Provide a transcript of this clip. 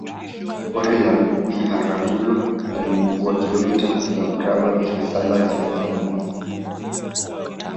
Pori la Biharamulo lina ukubwa wa kilomita za mraba mia saba thelathini na moja